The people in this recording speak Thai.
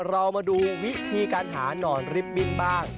เรามาดูวิธีการหานอนริบบิ้นบ้าง